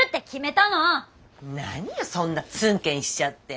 何よそんなツンケンしちゃって。